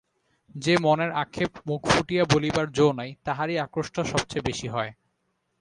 যে মনের আক্ষেপ মুখ ফুটিয়া বলিবার জো নাই তাহারই আক্রোশটা সব চেয়ে বেশি হয়।